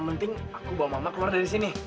minggir minggir minggir